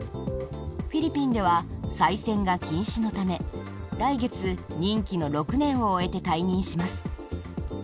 フィリピンでは再選が禁止のため来月、任期の６年を終えて退任します。